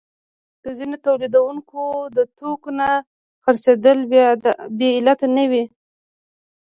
د ځینو تولیدونکو د توکو نه خرڅېدل بې علته نه دي